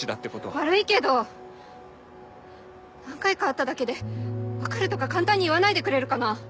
悪いけど何回か会っただけで「分かる」とか簡単に言わないでくれるかな。